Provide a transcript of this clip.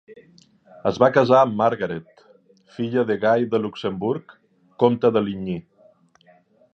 Es va casar amb Margaret, filla de Guy de Luxemburg, Comte de Ligny.